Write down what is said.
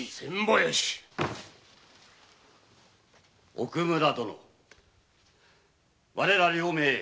奥村殿我ら両名